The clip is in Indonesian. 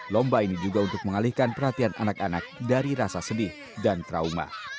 lomba ini juga untuk mengalihkan perhatian anak anak dari rasa sedih dan trauma